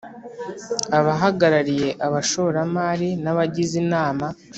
abahagarariye abashoramari n abagize inama